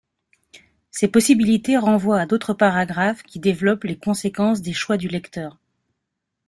Ces possibilités renvoient à d'autres paragraphes, qui développent les conséquences des choix du lecteur.